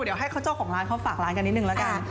เดี๋ยวให้เขาเจ้าของร้านเขาฝากร้านกันนิดนึงแล้วกัน